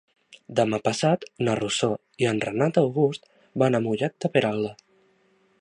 Demà passat na Rosó i en Renat August van a Mollet de Peralada.